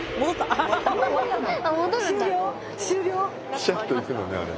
ピシャッといくのねあれで。